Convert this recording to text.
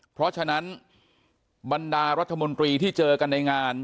เพราะฉะนั้นบรรดารัฐมนตรีที่เจอกันในงาน